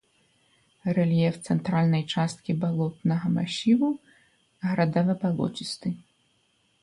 Рэльеф цэнтральнай часткі балотнага масіву градава-балоцісты.